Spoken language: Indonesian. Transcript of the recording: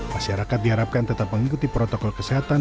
masyarakat diharapkan tetap mengikuti protokol kesehatan